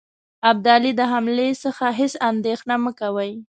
ابدالي د حملې څخه هیڅ اندېښنه مه کوی.